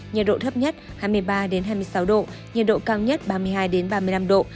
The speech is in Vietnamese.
nhiệt độ thấp nhất hai mươi ba hai mươi sáu độ nhiệt độ cao nhất ba mươi hai ba mươi năm độ